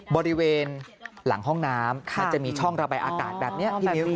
บริเวณหลังห้องน้ำมันจะมีช่องระบายอากาศแบบนี้พี่มิ้ว